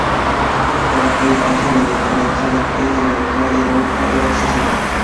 Por aquel entonces, la dependencia del país de la energía hidráulica era excesiva.